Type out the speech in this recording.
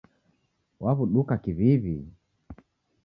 Waw'uduka kiw'iw'i